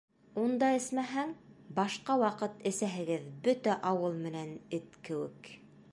Унда эсмәһәң, башҡа ваҡыт әсәһегеҙ бөтә ауыл менән эт кеүек.